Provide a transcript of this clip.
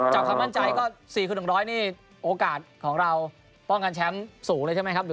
ความมั่นใจก็๔คูณ๑๐๐นี่โอกาสของเราป้องกันแชมป์สูงเลยใช่ไหมครับ